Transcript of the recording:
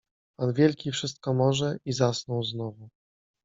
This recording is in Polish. Pan wielki wszystko może — i zasnął znowu.